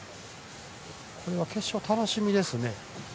これは決勝、楽しみですね。